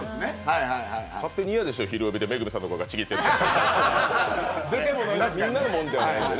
勝手に嫌でしょ、「ひるおび」で恵さんとかがちぎってたら。